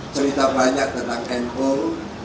cerita banyak tentang handphone